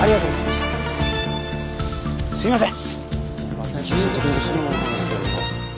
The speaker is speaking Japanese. すいません。